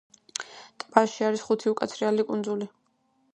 ტბაში არის ხუთი უკაცრიელი კუნძული.